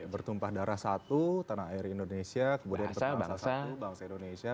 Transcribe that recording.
bertumpah darah satu tanah air indonesia